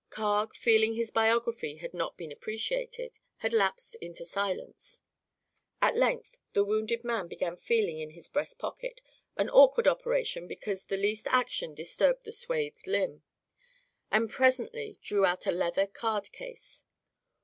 Carg, feeling his biography had not been appreciated, had lapsed into silence. At length the wounded man began feeling in his breast pocket an awkward operation because the least action disturbed the swathed limb and presently drew out a leather card case.